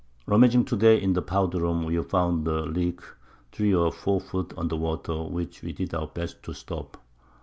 Rummaging to day in the Powder room, we found a Leak 3 or 4 Foot under Water, which we did our best to stop.